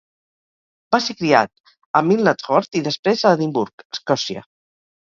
Va ser criat a Milnathort i després a Edimburg, Escòcia.